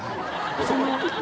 その。